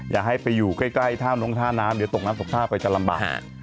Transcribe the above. อย่าให้ไปอยู่ใกล้ท่านงท่าน้ำเดี๋ยวตกน้ำตกท่าไปจะลำบาก